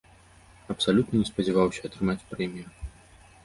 Абсалютна не спадзяваўся атрымаць прэмію.